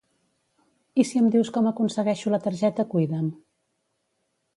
I si em dius com aconsegueixo la targeta Cuida'm?